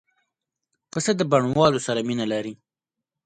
پسه د بڼوالو سره مینه لري.